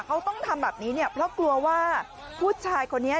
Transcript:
เขาต้องทำแบบนี้เนี่ยเพราะกลัวว่าผู้ชายคนนี้